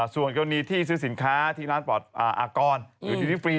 ส่วนกรณีที่ซื้อสินค้าที่ร้านปลอดอากรอยู่ที่นี่ฟรี